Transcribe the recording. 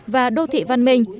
và đô thị văn minh